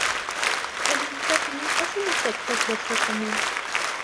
El insomnio es un efecto adverso común.